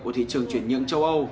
của thị trường chuyển nhượng châu âu